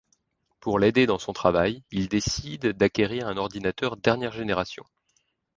Pour l'aider dans son travail, il décide d'acquérir un ordinateur dernière génération.